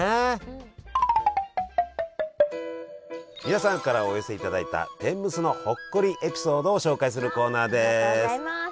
皆さんからお寄せいただいた天むすのほっこりエピソードを紹介するコーナーです。